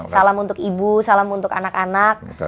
salam untuk ibu salam untuk anak anak